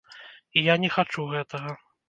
І я не хачу гэтага.